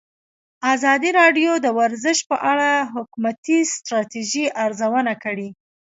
ازادي راډیو د ورزش په اړه د حکومتي ستراتیژۍ ارزونه کړې.